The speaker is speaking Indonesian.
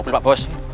lihat pak bos